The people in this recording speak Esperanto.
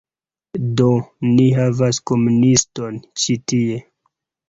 Do, ni havas komuniston ĉi tie